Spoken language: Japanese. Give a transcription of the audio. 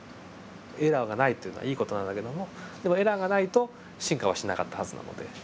エラーがないというのはいい事なんだけどもでもエラーがないと進化はしなかったはずなので。